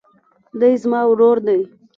دی زما ورور دئ.